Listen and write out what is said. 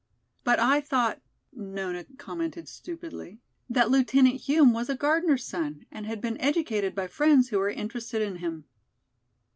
"But I thought," Nona commented stupidly, "that Lieutenant Hume was a gardener's son and had been educated by friends who were interested in him."